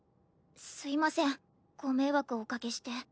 すいませんご迷惑をおかけして。